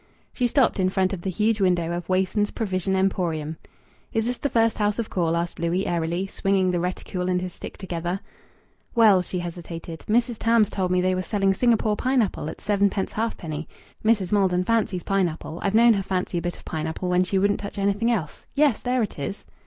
She stopped in front of the huge window of Wason's Provision Emporium. "Is this the first house of call?" asked Louis airily, swinging the reticule and his stick together. "Well " she hesitated. "Mrs. Tams told me they were selling Singapore pineapple at sevenpence halfpenny. Mas. Maldon fancies pineapple. I've known her fancy a bit of pineapple when she wouldn't touch anything else.... Yes, there it is!"